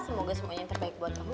semoga semuanya yang terbaik buat kamu